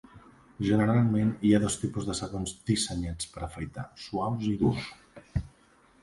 Generalment, hi ha dos tipus de sabons dissenyats per afaitar: suaus i durs.